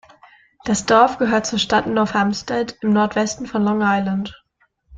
Das Dorf gehört zur Stadt North Hempstead im Nordwesten von Long Island.